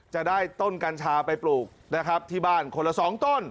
จะได้ต้นกัญชาไปปลูกนะครับที่บ้านคนละสองต้น